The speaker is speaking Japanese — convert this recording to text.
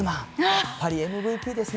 やっぱりＭＶＰですね。